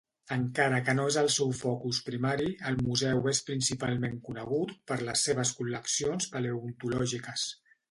Encara que no és el seu focus primari, el museu es principalment conegut per les seves col·leccions paleontològiques.